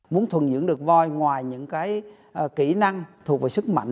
muốn thuần nhưỡng được voi ngoài những cái kỹ năng thuộc về sức mạnh